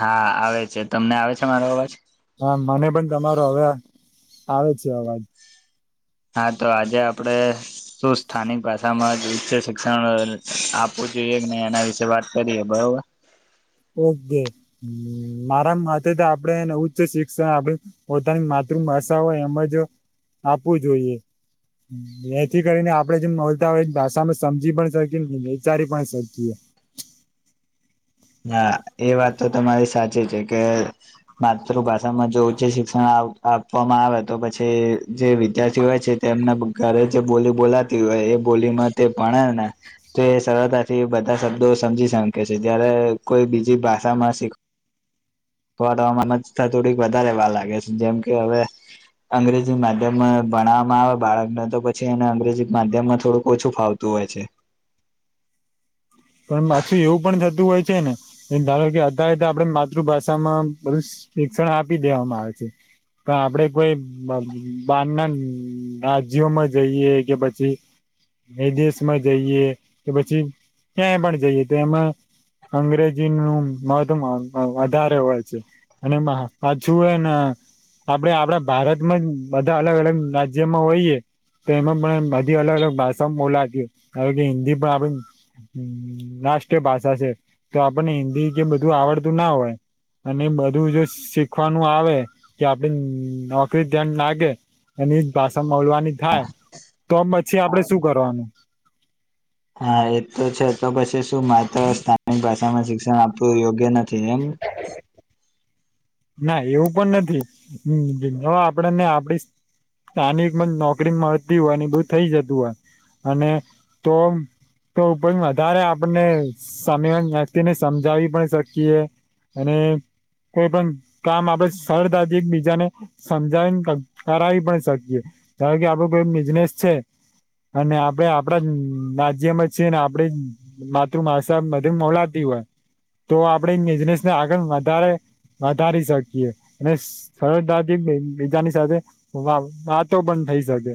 હા આવે છે, તમને આવે છે મારો અવાજ? હા મને પણ તમારો હવે આવે છે અવાજ. હા તો આજે આપડે શું સ્થાનિક ભાષામાં જ ઉચ્ચ શિક્ષણ આપું જોએ કે નહી એના વિશે વાત કરીએ, બરોબર? ઓકે મારા માટેથે તો આપે ઉચ્ચ શિક્ષણ આપ પોતાની મા ત્ર ભાષા હોય એમજ આપવું જોઈએ. એથી કરીને આપડે જેમ બોલતા હોય ભાષામાં સમજી પણ શકીએ, વિચારી પણ શકીએ. હા એ વાત તો તમારી સાચી છે કે માતૃભાષામાં જો ઉચ્ચે શિક્ષણ આપવામાં આવે તો પછી જે વિદ્યાર્થી હોય છે તેમને ઘરે જ બોલી બોલાતી હોય એ બોલીમાં તે ભણે ને તો એ સરળતાથી બધા શબ્દો સમજી શકે છે જ્યારે કોઈ બીજી ભાષામાં શીખ વાળવામાં થોડીક વધારેવા લાગે છે જેમ કે હવે અંગ્રેજી માધ્યમ ભના વામાં આવે બાળકને તો પછી એને અંગ્રેજી માધ્યમ માં થોડુંક ઓછું ફાવતું હોય છે. હ પણ પાછું એવું પણ થતું હોય છે ને ધારો કે અધા અધા આપડે માતૃભાષામાં બ શિક્ષણ આપી દેવામાં આવે છે. તો આપડે કોઈ બ બાર ના રાજ્યોમાં જઈએ કે પછી વિદેશ માં જઈએ કે પછી ક્યાંય પણ જઈએ તો એમાં અંગ્રેજી નું મધ વધારે હોય છે અને પાછુ એને આપડે આપડા ભારતમાં જ બધા અલગ અલગ રાજ્યમાં હોઈએ તો એમાં પણ બધી અલગ અલગ ભાષામાં બોલાતી હ કે હિન્દી પણ આપને હ રાષ્ટ્રીય ભાષા છે તો આપણને હિન્દી કે બધું આવડતું ના હોય અને બધું જો શીખવાનું આવે કે આપડે નોકરી તયા લાગે એની જ ભાષા બોલવાની થાય તો પછી આપડે શું કરવાનું હા એ તો છે તો પછી શું માત્ર સ્થાનિક ભાષામાં શિક્ષણ આપવું યોગ્ય નથી એમ ના એવું પણ નથી હ હવે આપડને આપડી સ્થાનિક મા નોકરી મળતી હોય અને બધુ થઇ જતું હોય અને તો તો વધારે આપણને સામેવાળી વ્યક્તિને સમજાવી પણ શકીએ અને કોઈ પણ કામ આપડણે સરતાથી એકબીજાને સમજાવી કરાવી પણ શકીએ ધારો કે આપડે બિઝનેસ છે. અને આપડે આપડા રાજ્યમાં જ છીએ ને આપડે માતૃભાષા બધે બોલાતી તો આપણે બિઝનેસને આગળ વધારે વધારી શકીએ અને સરળતાથી બીજાની સાથે વાત વાતો પણ થઈ શકે.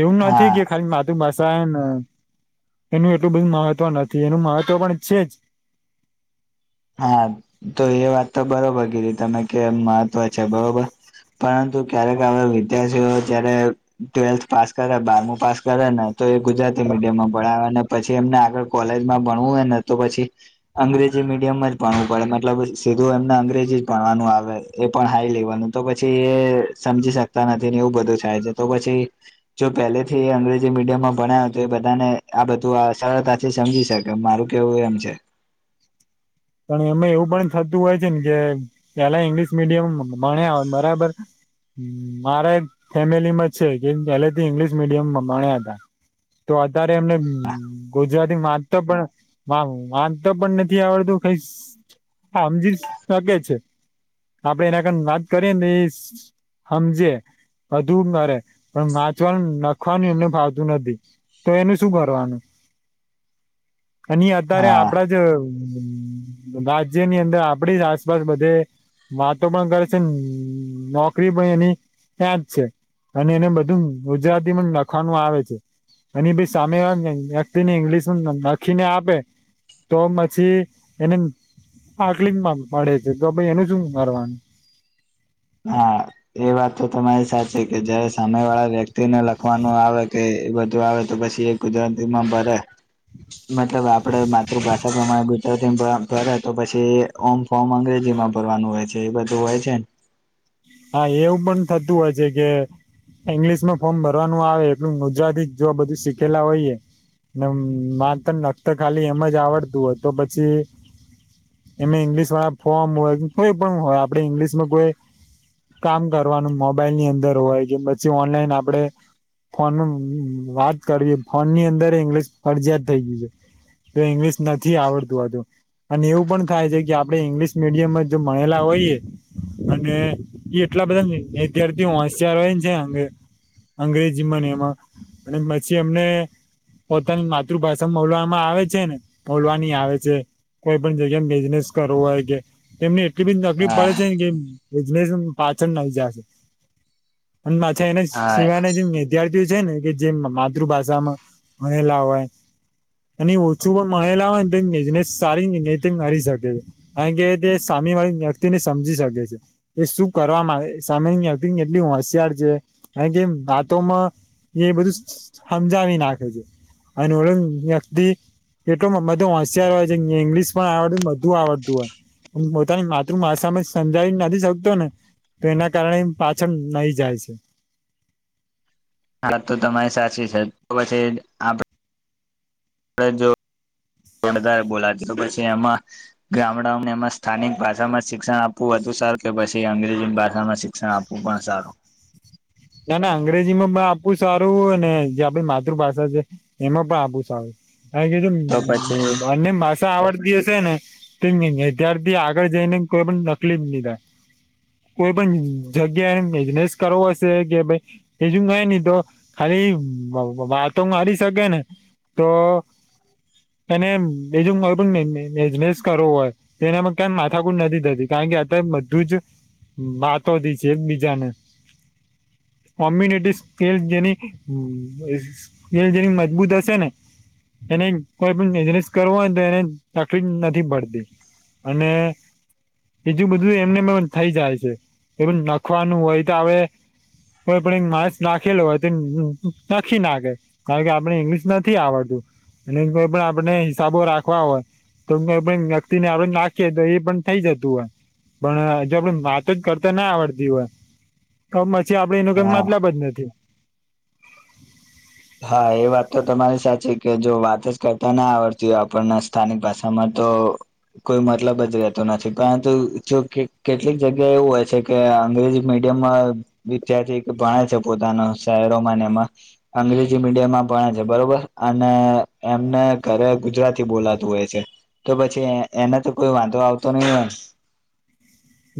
એવું નથી હા કે ખાલી માતૃભાષાને એનું એટલું બધું મહત્વ નથી એનું મહત્વ પણ છે જ હા તો એ વાત તો બરોબર કીધી તમે કેમ મહત્વ છે બરોબર પરંતુ ક્યારેક હવે વિદ્યાર્થીઓ જયારે ટ્વેલ્થ પાસ કરે બારમું પાસ કરે ને તો એ ગુજરાતી મીડિયમમાં ભણાવવા અને પછી એમને આગળ કોલેજમાં ભણવું હોયને તો પછી અંગ્રેજી મીડ ડમ જ ભણવું પડે મતલબ સીધું એમને અંગ્રેજી જ ભણવાનું આવે એ પણ હાઈ લેવાનું તો પછી એ સમજી શકતા નથી ને એવું બધું થાય છે તો પછી જો પહેલેથી અંગ્રેજી મીડિયમમાં ભણા તો એ બધાને આ બધું આ સરળતાથી સમજી શકે મારું કેવું એમ છે [inaudible] એમે એવું પણ થતું હોય છે ને કે પેલા ઇંગ્લિશ મીડિયમ ભણા બરાબર મારે ફેમિલીમાં છે કે પહેલેથી ઇંગ્લિશ મીડિયમમાં ભણ્યા હતા તો અત્યારે એમને ગુજરાતી વાચંતા પણ વાચંતા પણ નથી આવડતું કઈ સમજી શ કે છે આપડે એના કર વાત કરીએ ને એ સમજે બધું કરે પણ વાચવાનું લખવાનું એમને ફાવતું નથી તો એને શું કરવાનું અને અત્યારે હા આપડા જ રાજ્યની અંદર આપડી જ આસપાસ બધે વાતો પણ કરે છે નોકરી પણ એની ત્યાંજ છે અને એને બધું ગુજરાતીમાં લખવાનું આવે છે. એની ભી સામે વા વ્યક્તિ ને ઇંગ્લિશ લખીને આપે તો પછી એને તકલીફ પડે છે તો ભ એને શું કરવાનું હા એ વાતો તો તમારી સાચી કે જયારે સામે વાળા વ્યક્તિ તેને લખવાનું આવે કે એ બધું આવે તો પછી એ ગુજરાતીમાં ભરે મતલબ આપડે માતૃભાષા પ્રમાણે ભરે તો પછી ઓમ ફોર્મ અંગ્રેજીમાં ભરવાનું હોય છે એ બધું હોય છેને હા એવું પણ થતું હોય છે કે ઈંગ્લિશ માં ફોર્મ ભરવાનું આવે એટલું ગુજરાતી જોવા બધું શીખેલા હોયએ વાંચતા લખતાં ખાલી એમ જ આવડતું હોય તો પછી એમે ઈંગ્લિશ વાળા ફોર્મ હોય કોઈ પણ હોય આપે ઈંગ્લિશમાં કોઈ કામ કરવાનું મોબાઈલ ની અંદર હોય કે પછી ઓનલાઈન આપડે ફોન ન વાત કરવી ફોન ની અંદર ઇંગ્લશ ફરજીયાત થઈ ગયું છે. તો ઈંગ્લિશ નથી આવડતું હોતું અને એવું પણ થાય છે કે આપડે ઈંગ્લિશ મીડિયમ મા જ જો મળલા હોઈએ અને એટલા બધા વિદ્યાર્થી હોશિયાર હોય ને છે અંગે અંગ્રેજીમાંને એમાં અને પછી એમને પોતાની માતૃભાષામાં બોલવામાં આવે છે ને બોલવાની આવે છે કોઈ પણ જગ્યા બિઝનેસ કરવો હોય કે એમને બી તકલીફ હા પડે છે ને કે બિઝનેસ પાછળ નાઈ જાય છે માછા એને હા સિવાય જે વિદ્યાર્થીઓ છે ને કે જેમ માતૃભાષામાં ભણેલા હોય અને ઓછું પણ મળલા હોય નેને સારી મારી શકે કાર કે વાળી વ્યક્તિ ને સમજી શકે છે એ શ કરવામાં સામે આવતી એટલી હોશિયાર છે કાર કેમ વાતોમાં એ બધું સમજાવી નાખે છે અને ઓળ વ્યક્તિ એટલું બધો હોશિયાર હોય છે ઇંગ્લિશ પણ આવડ બધું આવડતું હોય પોતાની માતૃભાષામાં સમજી નથી શકતો ને તો એના કારણે પાછળ નહી જાય છે હ તો તમારી સાચી છે તો પછી આપ જો બોલાતી પછી એમાં ગામડાઓને એમાં સ્થાનિક ભાષામાં શિક્ષણ આપવું હતું સારું કે પછી અંગ્રેજી ભાષામાં શિક્ષણ આપવું પણ સારું ના ના અંગ્રેજી માં પણ આપવું સારું ને જે આપડી માતૃભાષા છે એમાં પણ આપવું સારું હા કીધું તો પછી અને ભાષા આવડતી હશે. ને તેમ ન અત્યારથી આગળ જઈને કોઈ પણ તકલીફ નહી થાય કોઈ પણ જગ્યા એ બિઝનેસ કરવો છે કે ભઈ બીજું કાય નઈ તો ખાલી વાતો મારી શકે ને તો અને બીજું કોઈ પણ બીજમેસ કરવો હોય તો એનામાં ક માથાકુટ નથી થતી કાર કાર કે બધું જ વાતો છે બીજાને કોમ્બિનેટિવ સ્કીલ જેની સ્કીલ જેની મજબૂત હશે ને એને કોઈ પણ બિજ્નેશ કરવો હોય તો એને તકલી નથી પડતી અને બીજું બધું એમને થઈ જાય છે કે નખવાનું હોય તો હવે કોઈ પણ માર્સ નાખેલો હોય તો નાખી નાખે કારણ કે આપડને ઈંગ્લિશ નથી આવડતું એ કોઈ પણ આપણે હિસાબો રાખવા હોય તોમે પણ વ્યક્તિને આપ નાખીએ. તો એ પણ થઇ જતું હોય પણ હજ આપડ વાતો જ કરતા ના આવડતી હોય તો પછી આપડે એનું હા કેમતલબ જ નથી હા એ વાત તો તમારી સાચી કે જો વાત જ કરતા ના આવડતી હોય આપણને સ્થાનિક ભાષામાં તો કોઈ મતલબ જ રહેતો નથી પરંતુ જો કેટલીક જગ્યા એવું હોય છે કે અંગ્રેજી મીડિયમમાં વિદ્યાર્થી ભણે છે પોતાના શહેરોમાં એમાં અંગ્રેજી મીડિયમમાં ભણે છે બરોબર અને એમને ઘરે ગુજરાતી બોલાતું હોય છે તો પછી એના તો કોઈ વાંધો આવતો નહી હોય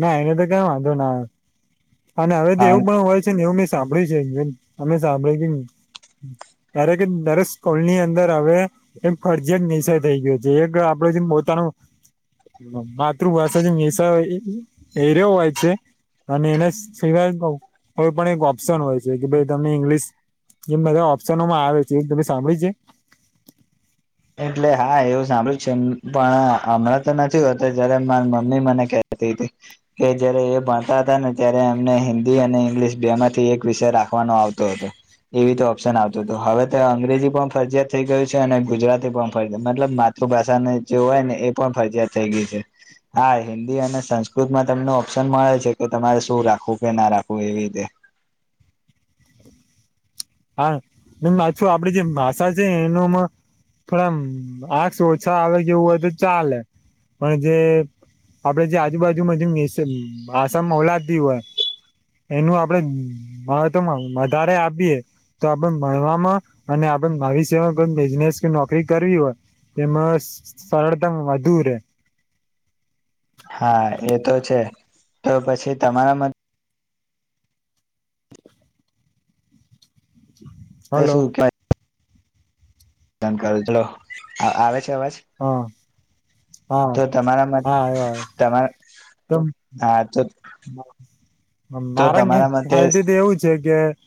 ના એને તો ક્યા વાંધો ના આવે અને હવે તો કારણ એવું પણ હોય છે ને એવું મે સાંભળી છે અમે સાંભળી ગી ત્યારે કે દરેક સ્કુલ ની અંદર હવે એ ફરજીયાત વિસય થઈ ગયો છે એક આપડો જે પોતાનો માતૃભાષા જે હસા હેર્યો હોય છે અને એના સિવાય કોઈ પણ એક ઓપ્શન હોય છે કે ભાઈ તમને ઇંગ્લિશ જેમ બધા ઓપ્શનોમાં આવે છે એ તમે સાંભળી છે એટલે હા એવું સાંભળ્યું છે પણ હમણાં તો નથી હોત જયારે મા મમ્મી મને કે કે જયારે એ ભણતા હતા ને ત્યારે એમને હિન્દી અને ઈંગ્લિશ બે માંથી એક વિષય રાખ રાખવાનો આવતો હતો એવી તો ઓપ્શન આવતોતો હવે તે અંગ્રેજી પણ ફરજીયાત થઈ ગયું છે અને ગુજરાતી એ પણ ફરજ્યાત મતલબ માતૃભાષાને જે હોય ને એ પણ ફરજયાત થઈ ગઈ છે. હાઆ હિન્દી અને સંસ્કૃતમાં તમને ઓપ્શન મળે છે કે તમારે શું રાખવું કે ના રાખવું એવી રીતે. ખાલી હા [unintelligible] છું આપડી જે ભાષા છે એનુંમાં પણ આમ માર્ક્સ ઓછા આવે કે એવું હોય તો ચાલે પણ જે આપડે જે આજુબાજુમાં જેમ ઇસમ આસામમાં ઓલાદી હોય એનું આપડે મહતમ વધારે આપીએ તો આપણ ભણવામાં અને આપણ ભવિષ્યમાં કોઇ બિઝનેસ કે નોકરી કરવી ઓય તેમાં સસ સરળતામ વધુ રે. હા એ તો છે તો પછી તમારા મત તે હલો શું કવા [unintelligible] કરો ચલો આ આવે છે વાજ હા તો હા તમારામાં તમારા હા તો અં તો મારા તમારા [unintelligible] મતે હાલ્ત [unintelligible] તો એવું છે કે ખાલી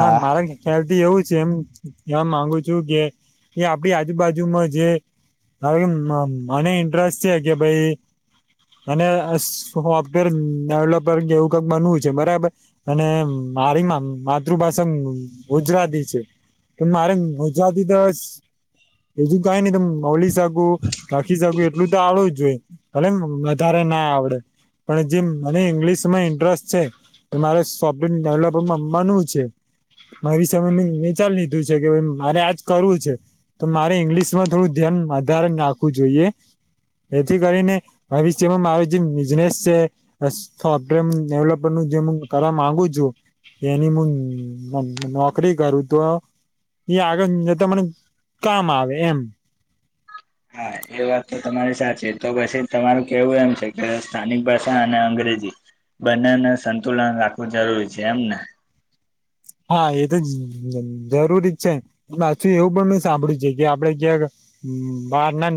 હા મારા ખ્યાલથી એવું જ. જેએમ કેવા માંગુ છું કે એ આપડી આજુબાજુમાં જે હ મ મ મને ઇન્ટરેસ્ટ છે કે ભઈ અને સ અ સોફ્ટવેર ડેવલોપર કે એવું કક બનવું છે બરાબર અને મારી માં માત માતૃભાષા મઅ ગુજરાતી છે તો મારે ગુજરાતી તો ઓ સ બીજુ કાંઈ નઈ તો બોલી શકું લખી શકું એટલું તો આવડું જ જોઈએ ભલે મ અ વધારે ના આવડે. પણ જે મને ઈંગ્લિશમાં ઇન્ટરસ્ટ છે તો મારે સોફ્ટવેર ડેવલપર માંમવાનું જ છે. મારી સમે મેં વિચાર લીધું છે કે ભ મારે આજ કરવું છે તો મારે ઈંગ્લિશમાં થોડું ધ્યાન વધારે નાંખવું જોઈએ. એથી કરીને ભવિષ્યમાં મારી જે બિઝનેસ છે સ સોફ્ટવેર ડેવલપર જે મું કરવા માંગુ છું એની મું નો નોકરી કરું તો એ આગળ જતા મને કામ આવે એમ હા એ વાત તો તમારી સાચી તો પછી તમારું કેવું એમ છે કે સ્થાનિક ભાષા અને અંગ્રે જી બંનેને સંતુલન રાખવું જરૂરી છે એમને હા એ તો જ જ જરૂરી જ છે ન પાછું એવું પણ મે સાંભળ્યું છે કે આપડે ક્યાંક મઅ બાર ના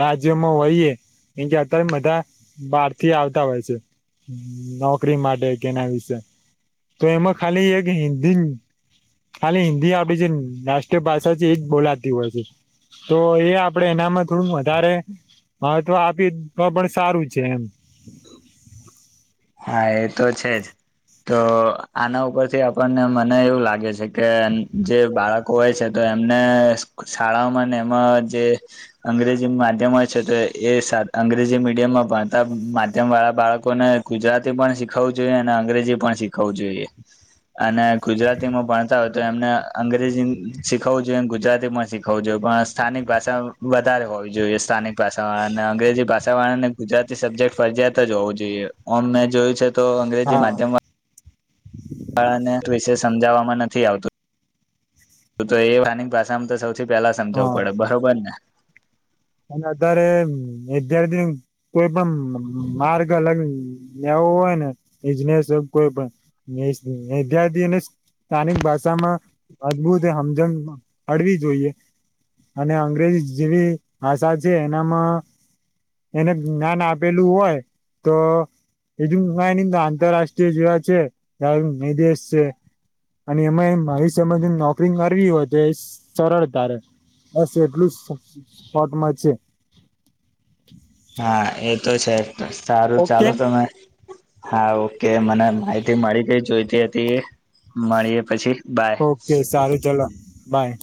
રાજ્યમાં હોઈએ એ જે અત્યારે બધા બારથી આવતા હોય છે. નોકરી માટે કેના વિશે તો એમાં ખાલી એક હિન્દી જ ખાલી હિન્દી આપડી જે અ રાષ્ટ્રીય ભાષા છે એજ બોલાતી હોય છે. તો એ આપડે એનામાં થોડું વધારે મહત્વ આપી તો પણ સારું છે એમ. હા એ તો છે જ તો આના ઉપરથી આપણને મને એવું લાગે છે કે એમ જે બાળક હોય છે તો એમને અ શઅ શાળાઓમાં ને એમાં જે અંગ્રેજી માધ્યમ હોય છે તો એ એ સા અંગ્રેજી મીડિયમમાં ભણતા માધ્યમવાળા બાળકોને ગુજરાતી પણ શીખવવું જોઈએ અને અંગ્રેજી પણ શીખવવું જોઈએ. અને અ ગુજરાતીમાં ભણતા હોય તો એમને અંગ્રેજીન શીખવવું જોઈએન ગુજરાતીમાં શીખવવું જોઈ [unintelligible] સ્થાનિક ભાષા વધારે હોવી જોઈએ સ્થાનિક ભાષા વાળાને અને અંગ્રેજી ભાષા વાળાને ગુજરાતી સબ જેક્ટ ફરજિયાત જ હોવું જોઈએ, ઓમ મેં જોયું છે તો અંગ્રેજી હા માધ્યમવા ળાને ત્વિશે સમજવામાં નથી આવતું તો તો એ સ્થાનિક ભાષામાં તો સૌથી પહેલા સમજાવવું હા પડે બરોબર ને? અને અત્યારે વિદ્યાર્થી ન કોઈ પણ મઅ માર્ગ અલગ લેવા હોય ને બિજનેસ હોય કોય પણ [unintelligible] સ્થાનિક ભાષામાં અદભુત સમજણ હળવી જોઈએ અને અંગ્રેજ જેવી આષા છે એનામાં એને જ્ઞાન આપેલું હોય તો એજ ન તો આંતરરાષ્ટ્રીય જેવ છે ત મેધે એસશે અને એમાં ભવિષ્યમાં નોકરી કરવી હોય તો એ સરળતાારે બસ એટલું સ્પોટમાં છે હા એ તો છે સારું ઓકે ચાલો તમે હા ઓકે મને માહિતી મળી કઈ જોઈતી હતી એ મળીએ પછી બાય ઓકે સારું ચલો બાય